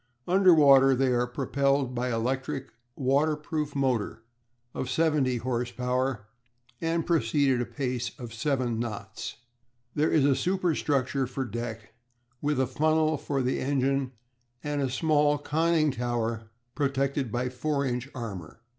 Under water they are propelled by an electric waterproof motor of seventy horse power, and proceed at a pace of seven knots per hour. There is a superstructure for deck, with a funnel for the engine and a small conning tower protected by 4 inch armour.